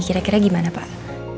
kira kira gimana pak